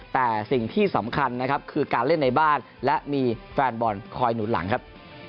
แต่สิ่งที่สำคัญนะครับคือการเล่นในบ้านและมีแฟนบอลคอยหนุนหลังครับ